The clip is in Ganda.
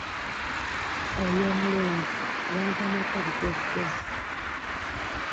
Oyo omulenzi yantamako lugezigezi.